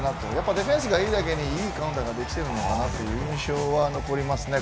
ディフェンスがいいだけにいいカウンターができてるんじゃないかという気がしますね。